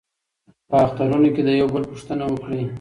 په اخترونو کې د یو بل پوښتنه وکړئ.